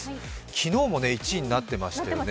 昨日のも１位になってましたよね